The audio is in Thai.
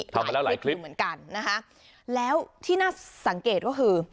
มาแล้วหลายคลิปเหมือนกันนะคะแล้วที่น่าสังเกตก็คือ